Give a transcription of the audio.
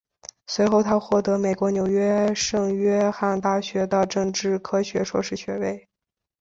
随后他获得美国纽约圣约翰大学的政治科学硕士学位。